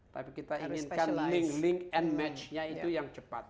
tapi kita inginkan link link and match nya itu yang cepat